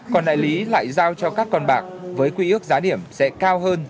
còn đại lý lại giao cho các con bạc với quy ước giá điểm sẽ cao hơn